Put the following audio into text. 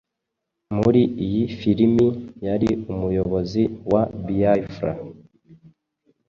Muri iyi filimi yari umuyobozi wa Biafra